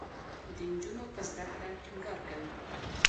د نجونو په زده کړه ټینګار کوي.